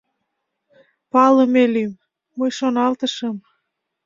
«Палыме лӱм, — мый шоналтышым.